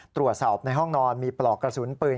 ตรวจสอบในห้องนอนมีปลอกกระสุนปืน